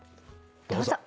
どうぞ。